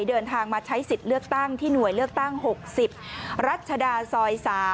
เดินทางมาใช้สิทธิ์เลือกตั้งที่หน่วยเลือกตั้ง๖๐รัชดาซอย๓